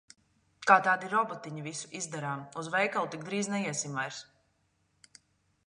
Kā tādi robotiņi visu izdarām. Uz veikalu tik drīz neiesim vairs.